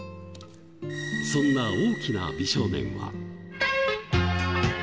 そんな大きな美少年は。